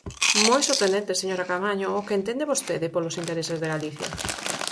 ¡Moi sorprendente, señora Caamaño, o que entende vostede polos intereses de Galicia!